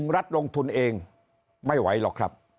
รัฐลงทุนเองไม่ไหวหรอกครับ